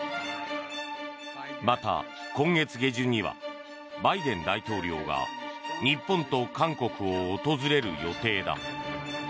また今月下旬にはバイデン大統領が日本と韓国を訪れる予定だ。